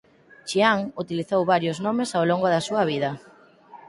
Chiang utilizou varios nomes ao longo da súa vida.